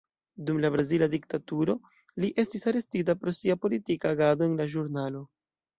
Dum la brazila diktaturo, li estis arestita pro sia politika agado en la ĵurnalo.